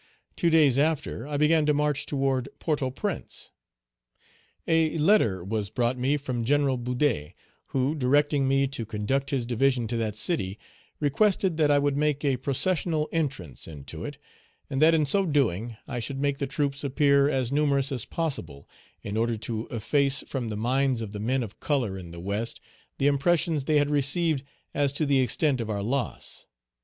Two days after, I began to march toward Port au Prince. A letter was brought me from General Boudet, who, directing me to conduct his division to that city, requested that I would make a processional entrance into it, and that in so doing, I should make the troops appear as numerous as possible, in order to efface from the minds of the men of color in the West the impressions they had received as to the extent of our loss.